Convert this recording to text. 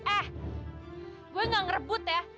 eh gue gak ngerebut ya